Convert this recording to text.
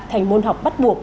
thành môn học bắt buộc